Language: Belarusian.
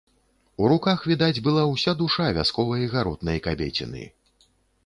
У руках відаць была ўся душа вясковай гаротнай кабеціны.